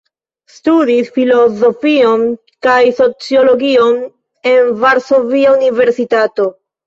Studis filozofion kaj sociologion en Varsovia Universitato.